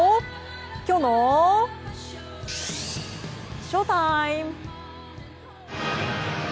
きょうのＳＨＯＴＩＭＥ。